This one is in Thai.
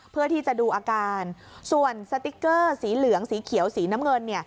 เพื่อที่จะดูอาการส่วนสติ๊กเกอร์สีเหลืองสีเขียวสีน้ำเงิน